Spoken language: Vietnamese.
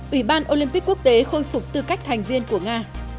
ủy ban olympic quốc tế khôi phục tư cách thành viên của nga